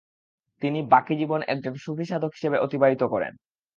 তিনি বাকি জীবন একজন সুফি সাধক হিসাবে অতিবাহিত করেন।